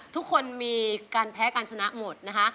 ทุกคนมีการแพ้การชนะหมดนะคะ